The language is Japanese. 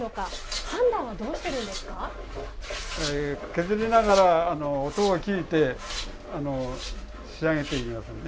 削りながら音を聞いて仕上げていますね。